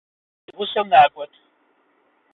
Уэ си гъусэу накӀуэт.